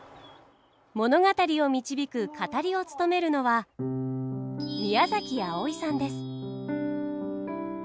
物語を導く語りを務めるのは宮あおいさんです。